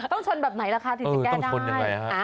ต้องชนแบบไหนล่ะค่ะที่จะแก้ได้ต้องชนแต่ไง